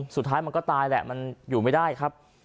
สุดท้ายมันก็ตายแหละมันอยู่ไม่ได้ครับ